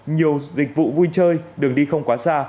nhiều dịch vụ vui chơi đường đi không quá xa